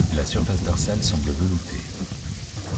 La surface dorsale semble veloutée.